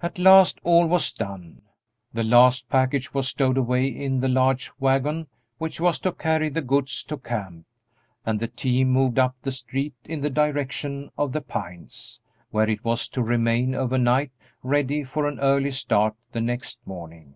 At last all was done, the last package was stowed away in the large wagon which was to carry the goods to camp, and the team moved up the street in the direction of The Pines, where it was to remain over night ready for an early start the next morning.